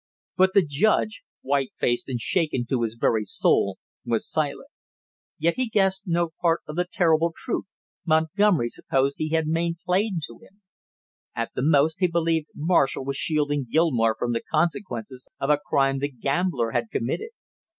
But the judge, white faced and shaken to his very soul, was silent; yet he guessed no part of the terrible truth Montgomery supposed he had made plain to him. At the most he believed Marshall was shielding Gilmore from the consequences of a crime the gambler had committed.